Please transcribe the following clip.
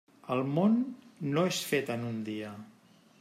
El món no és fet en un dia.